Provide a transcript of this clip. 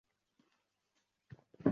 U diktorlarning ham me’dasiga tekkan.